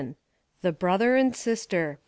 THE BROTHER AND SISTER.